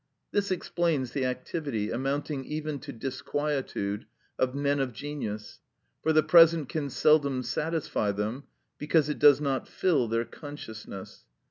This explains the activity, amounting even to disquietude, of men of genius, for the present can seldom satisfy them, because it does not fill their consciousness.